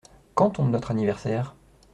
Quand tombe notre anniversaire ?